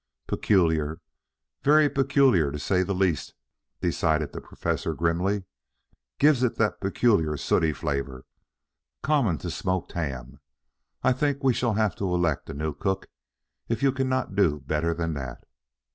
"Peculiar, very peculiar to say the least," decided the Professor grimly. "Gives it that peculiar sooty flavor, common to smoked ham I think we shall have to elect a new cook if you cannot do better than that.